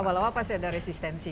awal awal pasti ada resistensi